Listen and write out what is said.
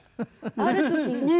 ある時ねえ